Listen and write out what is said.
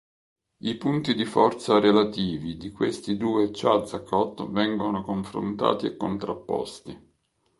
I punti di forza relativi di questi due "Chazakot" vengono confrontati e contrapposti.